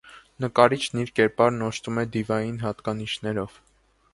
Նկարիչն իր կերպարն օժտում է դիվային հատկանիշներով։